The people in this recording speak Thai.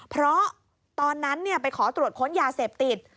เพราะตอนนั้นไปขอตรวจค้นยาเสพติด